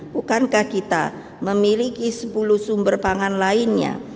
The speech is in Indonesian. bukankah kita memiliki sepuluh sumber pangan lainnya